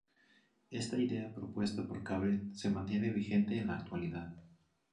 Esta idea propuesta por Cabred se mantiene vigente en la actualidad.